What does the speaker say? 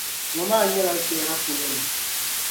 Ŋɔ maa nyɛla sihira polo ni.